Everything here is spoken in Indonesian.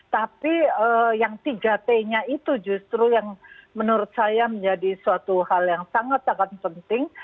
tapi yang tiga t nya itu justru yang menurut saya menjadi suatu hal yang sangat sangat penting